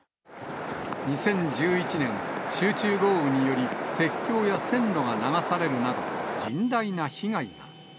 ２０１１年、集中豪雨により、鉄橋や線路が流されるなど、甚大な被害が。